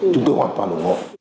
chúng tôi hoàn toàn ủng hộ